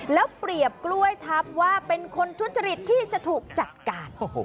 แล้วเปรียบกล้วยทับว่าเป็นคนทุจริตที่จะถูกจัดการ